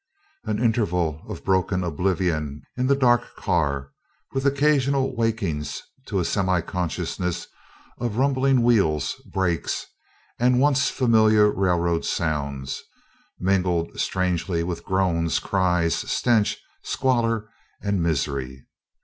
An interval of broken oblivion in the dark car, with occasional wakings to a semi consciousness of rumbling wheels, brakes, and once familiar railroad sounds, mingled strangely with groans, cries, stench, squalor, and misery.